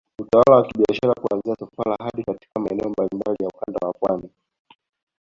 Utawala wa kibiashara kuanzia Sofara hadi katika maeneo mbalimbali ya Ukanda wa Pwani